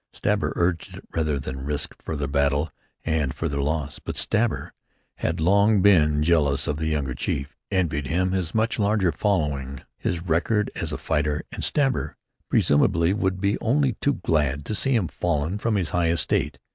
Stabber urged it rather than risk further battle and further loss, but Stabber had long been jealous of the younger chief, envied him his much larger following and his record as a fighter, and Stabber, presumably, would be only too glad to see him fallen from his high estate.